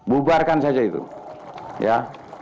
bubarkan saja itu ya